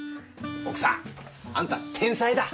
奥さんあんた天才だ！